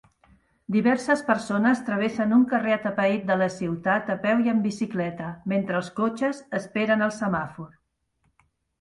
Diverses persones travessen un carrer atapeït de la ciutat a peu i amb bicicleta mentre els cotxes esperen el semàfor.